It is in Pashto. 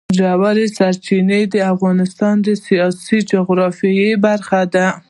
ژورې سرچینې د افغانستان د سیاسي جغرافیه برخه ده.